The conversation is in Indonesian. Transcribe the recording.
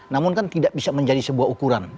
namun kan tidak bisa menjadi sebuah ukuran